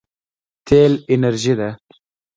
تېل انرژي ده.